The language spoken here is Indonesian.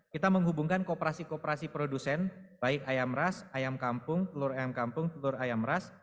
kita menghubungkan kooperasi kooperasi produsen baik ayam ras ayam kampung telur ayam kampung telur ayam ras